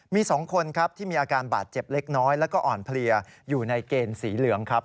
มี๒คนครับที่มีอาการบาดเจ็บเล็กน้อยแล้วก็อ่อนเพลียอยู่ในเกณฑ์สีเหลืองครับ